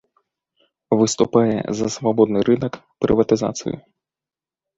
Выступае за свабодны рынак, прыватызацыю.